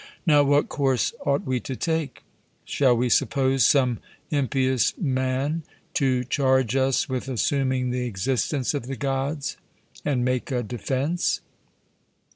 Now what course ought we to take? Shall we suppose some impious man to charge us with assuming the existence of the Gods, and make a defence?